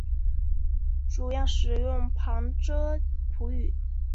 主要使用旁遮普语。